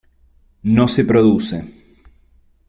No se produce.